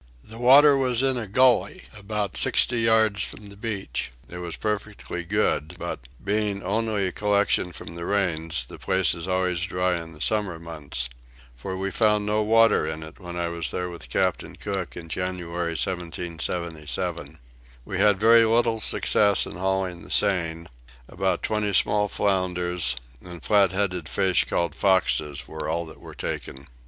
The water was in a gully about sixty yards from the beach; it was perfectly good but, being only a collection from the rains, the place is always dry in the summer months; for we found no water in it when I was here with Captain Cook in January 1777. We had very little success in hauling the seine; about twenty small flounders, and flat headed fish called foxes were all that were taken.